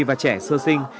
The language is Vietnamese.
và trẻ sơ sinh